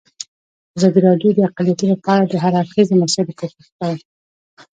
ازادي راډیو د اقلیتونه په اړه د هر اړخیزو مسایلو پوښښ کړی.